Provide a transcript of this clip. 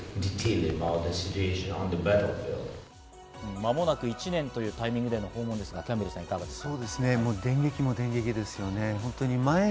間もなく１年というタイミングでの訪問ですが、キャンベルさん、いかがですか？